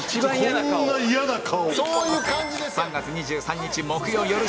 こんなイヤな顔。